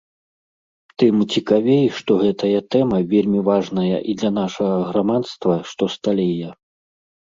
Тым цікавей, што гэтая тэма вельмі важная і для нашага грамадства, што сталее.